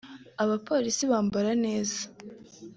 abapolisi bambara neza